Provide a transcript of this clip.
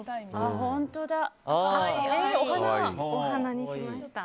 お花にしました。